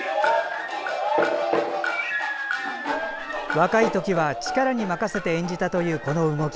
若いときは力に任せて演じたという、この動き。